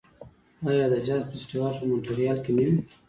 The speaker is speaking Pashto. آیا د جاز فستیوال په مونټریال کې نه وي؟